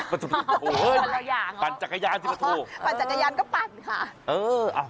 ปั่นจักรยานก็ปั่นค่ะ